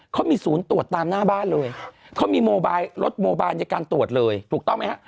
เขามีศูนย์ตรวจตามหน้าบ้านเลยเขามีโมบายรถโมบาลในการตรวจเลยถูกต้องไหมฮะ